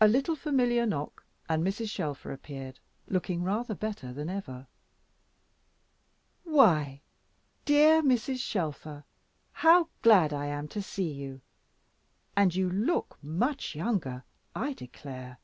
A little familiar knock, and Mrs. Shelfer appeared, looking rather better than ever. "Why, dear Mrs. Shelfer, how glad I am to see you! And you look much younger, I declare!"